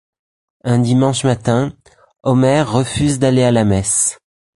Un dimanche matin, Homer refuse d'aller à la messe.